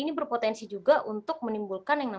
ini berpotensi juga untuk menimbulkan yang lain